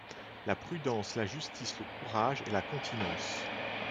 La prudence, la justice, le courage et la continence.